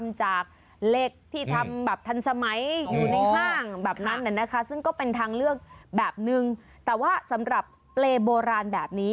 แบบนั้นแหละนะคะซึ่งก็เป็นทางเลือกแบบนึงแต่ว่าสำหรับเปลยโบราณแบบนี้